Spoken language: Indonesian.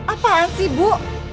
apaan sih bu